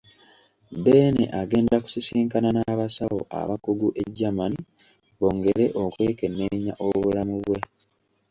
Beene agenda kusisinkana n'abasawo abakugu e Germany bongere okwekenneenya obulamu bwe.